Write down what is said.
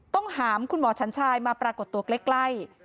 ต้องหามคุณหมอฉันชายมาปรากฏตัวใกล้